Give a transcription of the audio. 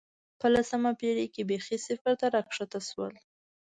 په لسمه پېړۍ کې بېخي صفر ته راښکته شول